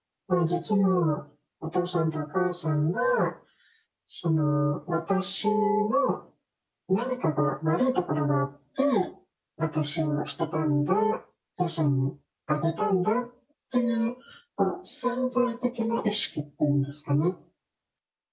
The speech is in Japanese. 実のお父さんとお母さんが、私の何かが、悪いところがあって、私を捨てたんだ、よそにあげたんだっていう、潜在的な意識っていうんですかね。